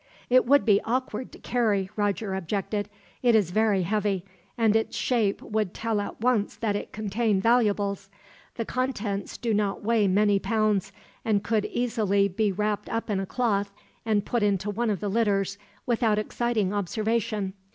"It would be awkward to carry," Roger objected. "It is very heavy, and its shape would tell at once that it contained valuables. The contents do not weigh many pounds, and could easily be wrapped up in a cloth and put into one of the litters, without exciting observation.